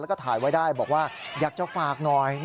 แล้วก็ถ่ายไว้ได้บอกว่าอยากจะฝากหน่อย